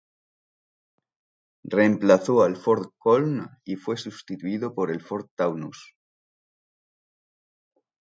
Reemplazó al Ford Köln y fue sustituido por el Ford Taunus.